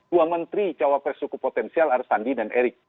dua menteri cawapres cukup potensial arisandi dan erick